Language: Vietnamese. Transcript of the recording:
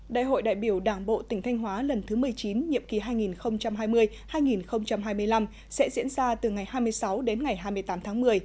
đại hội đại biểu đảng bộ tỉnh thanh hóa lần thứ một mươi chín nhiệm kỳ hai nghìn hai mươi hai nghìn hai mươi năm sẽ diễn ra từ ngày hai mươi sáu đến ngày hai mươi tám tháng một mươi